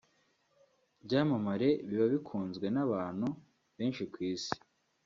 byamamare biba bikunzwe n’abantu benshi ku isi